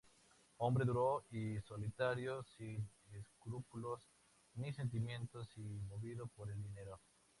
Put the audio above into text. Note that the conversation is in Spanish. Hombre duro y solitario, sin escrúpulos ni sentimientos y movido por el dinero.